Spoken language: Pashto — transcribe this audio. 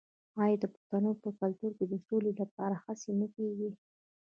آیا د پښتنو په کلتور کې د سولې لپاره هڅې نه کیږي؟